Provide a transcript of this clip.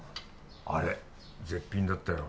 あれ絶品だったよ